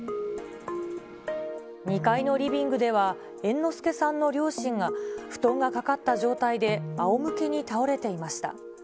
２階のリビングでは猿之助さんの両親が布団がかかった状態で、あおむけに倒れていました。